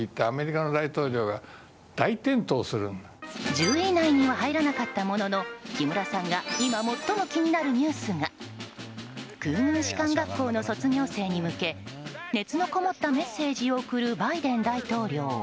１０位以内には入らなかったものの木村さんが今最も気になるニュースが空軍士官学校の卒業生に向け熱のこもったメッセージを送るバイデン大統領。